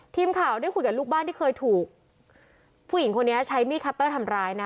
ทีมข่าวได้คุยกับลูกบ้านที่เคยถูกผู้หญิงคนนี้ใช้มีดคัตเตอร์ทำร้ายนะ